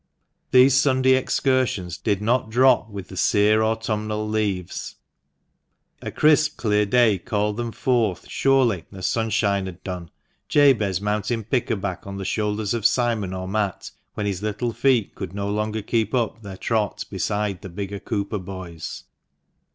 These Sunday excursions did not drop with the sere autumnal leaves. A crisp clear day called them forth surely as sunshine had done, Jabez mounting pick a back on the shoulders of Simon or Matt when his little feet could no longer keep up their trot beside the bigger Cooper boys.